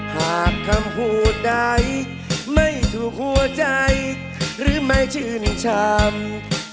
หากคำพูดใดไม่ถูกหัวใจหรือไม่ชื่นชำ